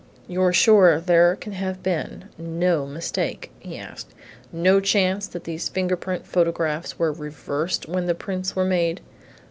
"You're sure there can have been no mistake?" he asked. "No chance that these fingerprint photographs were reversed when the prints were made?"